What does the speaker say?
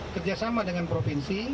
kerjasama dengan provinsi